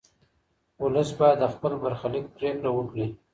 ولس باید د خپل برخلیک پرېکړه وکړي.